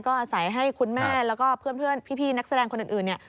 ก็อาศัยให้คุณแม่แล้วก็เพื่อนพี่นักแสดงคนอื่นเนี่ย